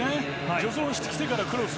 助走してきてからクロス。